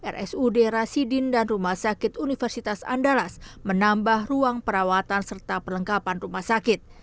rsud rasidin dan rumah sakit universitas andalas menambah ruang perawatan serta perlengkapan rumah sakit